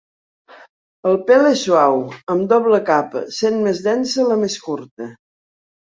El pèl és suau, amb doble capa sent més densa la més curta.